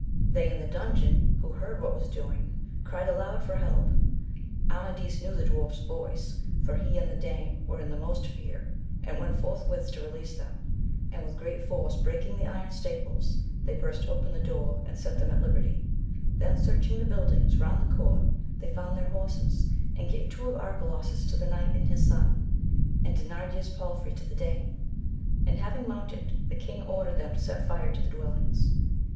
They in the dungeon, who heard what was doing, cried aloud for help. Amadis knew the dwarfs voice, for he and the dame were in the most fear, and went forthwith to release them, and with great force breaking the iron staples they burst open the door and set them at liberty, then searching the buildings round the court they found their horses, and gave two of Arcalaus's to the knight and his son, and Dinarda's palfrey to the dame ; and having mounted the king ordered them to set fire to the dwellings.